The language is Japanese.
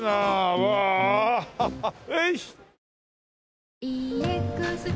うわハハッ。